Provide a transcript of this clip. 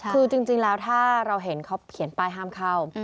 คือจริงแล้วถ้าเราเห็นเขาเขียนป้ายห้ามเข้า